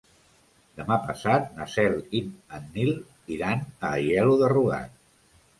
Demà passat na Cel i en Nil iran a Aielo de Rugat.